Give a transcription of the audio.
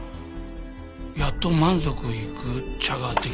やっと満足いく茶ができたって。